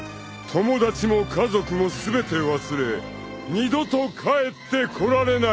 ［友達も家族も全て忘れ二度と帰ってこられないかも］